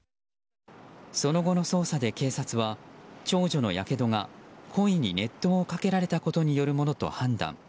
その後の捜査で警察は長女のやけどが故意に熱湯をかけられたことによるものと判断。